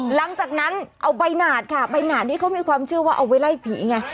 หลังจากนั้นเอาใบหนาดค่ะใบหนาดนี้เขามีความเชื่อว่าเอาไว้ไล่ผีไง